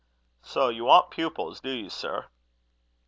"So you want pupils, do you, sir?"